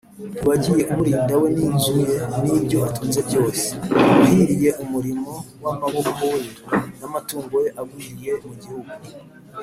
ntiwagiye umurinda we n’inzu ye n’ibyo atunze byose’ wahiriye umurimo w’amaboko ye, n’amatungo ye agwiriye mu gihugu